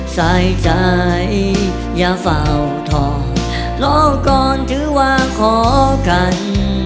ใส่ใจอย่าเฝ้าทองรอก่อนถือว่าขอกัน